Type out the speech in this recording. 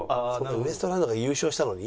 ウエストランドが優勝したのに？